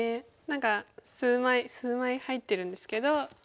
何か数枚入ってるんですけど。